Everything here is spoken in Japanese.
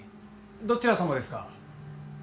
どちらさまですか？